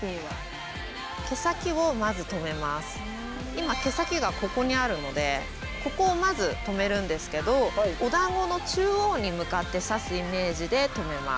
今毛先がここにあるのでここをまず留めるんですけどおだんごの中央に向かって挿すイメージで留めます。